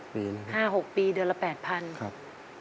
๕๖ปีนะครับ๕๖ปีเดือนละ๘๐๐๐ครับ